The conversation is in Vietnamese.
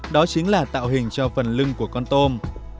đó chính là tạo hình cho phần lưng của con tôm